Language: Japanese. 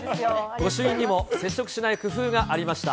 御朱印にも接触しない工夫がありました。